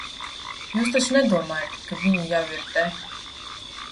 Jūs taču nedomājat, ka viņi jau ir te?